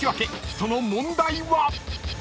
その問題は？］